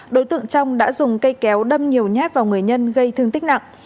đối tượng trong đã dùng cây kéo đâm nhiều nhát vào người nhân gây thương tích nặng